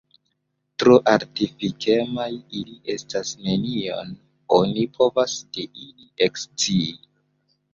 Tro artifikemaj ili estas, nenion oni povas de ili ekscii.